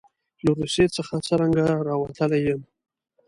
له روسیې څخه څرنګه راوتلی یم.